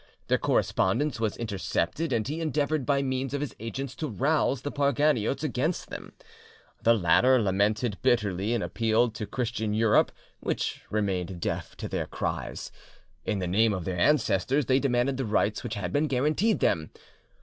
Their correspondence was intercepted, and he endeavoured by means of his agents to rouse the Parganiotes against them. The latter lamented bitterly, and appealed to Christian Europe, which remained deaf to their cries. In the name of their ancestors, they demanded the rights which had been guaranteed them.